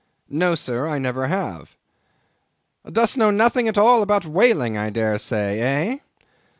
"No, Sir, I never have." "Dost know nothing at all about whaling, I dare say—eh?